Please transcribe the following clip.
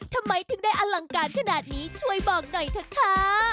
ทำไมถึงได้อลังการขนาดนี้ช่วยบอกหน่อยเถอะค่ะ